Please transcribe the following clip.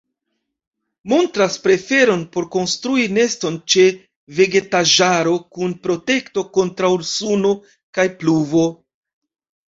Montras preferon por konstrui neston ĉe vegetaĵaro, kun protekto kontraŭ suno kaj pluvo.